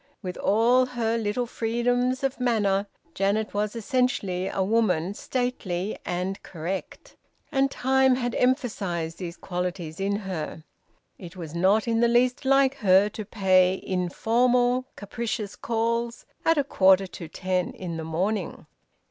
With all her little freedoms of manner, Janet was essentially a woman stately and correct, and time had emphasised these qualities in her. It was not in the least like her to pay informal, capricious calls at a quarter to ten in the morning.